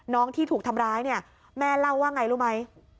ที่ถูกทำร้ายเนี่ยแม่เล่าว่าไงรู้ไหม